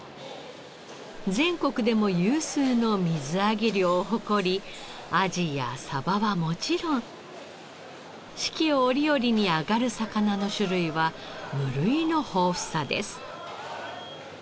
全国でも有数の水揚げ量を誇りアジやサバはもちろん四季折々に揚がる魚の種類は無類の豊富さです。